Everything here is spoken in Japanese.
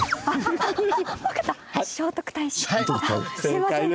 すいません